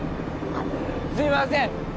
すいません。